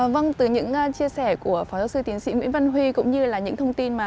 vâng từ những chia sẻ của phó giáo sư tiến sĩ nguyễn văn huy cũng như là những thông tin